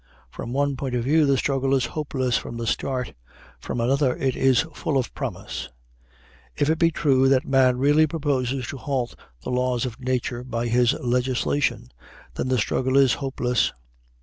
From one point of view the struggle is hopeless from the start; from another it is full of promise. If it be true that man really proposes to halt the laws of nature by his legislation, then the struggle is hopeless.